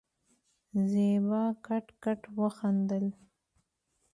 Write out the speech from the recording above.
زېبا کټ کټ وخندل.